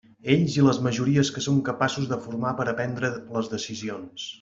Ells i les majories que són capaços de formar per a prendre les decisions.